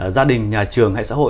gia đình nhà trường hay xã hội